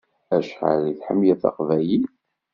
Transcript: Acḥal i tḥemmleḍ taqbaylit?